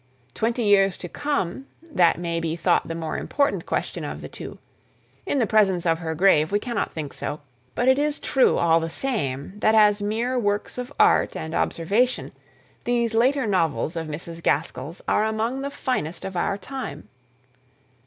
Twenty years to come, that may be thought the more important question of the two; in the presence of her grave we cannot think so; but it is true, all the same, that as mere works of art and observation, these later novels of Mrs. Gaskell's are among the finest of our time.